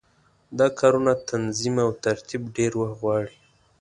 دا کارونه تنظیم او ترتیب ډېر وخت غواړي.